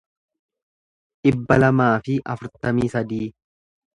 dhibba lamaa fi afurtamii sadii